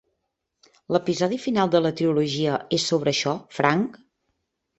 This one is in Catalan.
L'episodi final de la trilogia és sobre això, Frank?